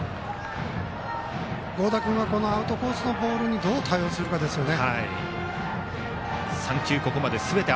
合田君はアウトコースのボールにどう対応するかですね。